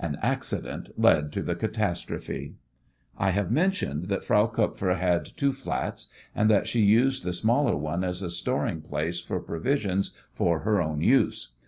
An accident led to the catastrophe. I have mentioned that Frau Kupfer had two flats, and that she used the smaller one as a storing place for provisions for her own use.